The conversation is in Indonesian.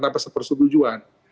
nampak seperti sugujuan